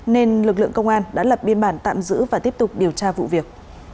nên lực lượng công an đã lập biên bản tạm giữ và tiếp tục điều tra vụ việc